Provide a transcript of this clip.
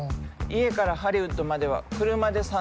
家からハリウッドまでは車で３０分。